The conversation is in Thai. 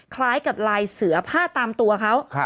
คล้ายกับลายเสือผ้าตามตัวเขา